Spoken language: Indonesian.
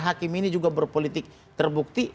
karena hakim ini juga berpolitik terbukti